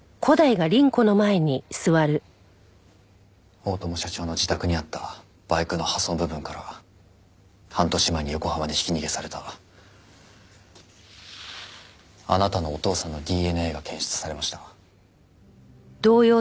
大友社長の自宅にあったバイクの破損部分から半年前に横浜でひき逃げされたあなたのお父さんのＤＮＡが検出されました。